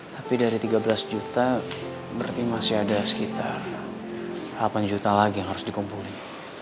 tapi dari tiga belas juta berarti masih ada sekitar delapan juta lagi yang harus dikumpulin